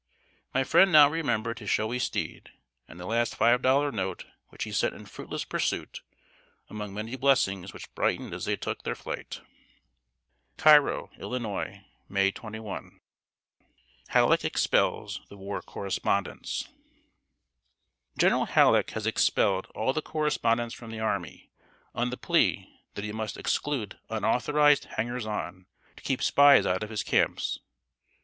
My friend now remembered his showy steed, and the last five dollar note which he sent in fruitless pursuit, among blessings which brightened as they took their flight. CAIRO, ILL., May 21. [Sidenote: HALLECK EXPELS THE WAR CORRESPONDENTS.] General Halleck has expelled all the correspondents from the army, on the plea that he must exclude "unauthorized hangers on," to keep spies out of his camps.